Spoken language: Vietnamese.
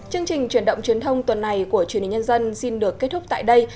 chương trình truyền động truyền thông tuần này của truyền hình nhân dân xin được kết thúc tại đây